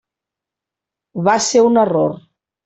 Va ser un error.